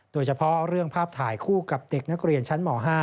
โดยเฉพาะเรื่องภาพถ่ายคู่กับเด็กนักเรียนชั้นหมอ๕